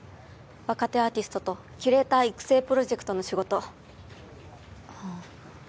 若手アーティストとキュレーター育成プロジェクトの仕事ああ